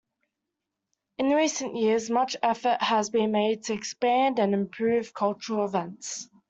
In recent years, much effort has been made to expand and improve cultural events.